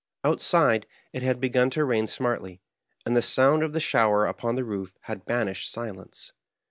Outside, it had begun to rain emartly ; and the sound of the shower upon the roof had banished silence.